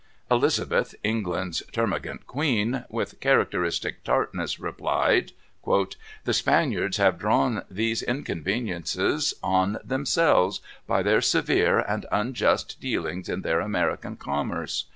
Elizabeth, England's termagant queen, with characteristic tartness replied: "The Spaniards have drawn these inconveniences on themselves, by their severe and unjust dealings in their American commerce.